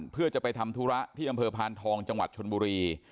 เพื่อจะไปทำธุระที่อำเภอพานทองจังหวัดชนบุรี